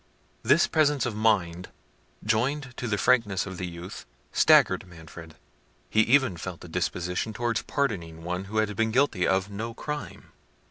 This presence of mind, joined to the frankness of the youth, staggered Manfred. He even felt a disposition towards pardoning one who had been guilty of no crime.